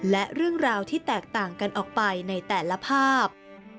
และเรื่องราวที่แตกต่างกันออกไปในแต่ละภาพ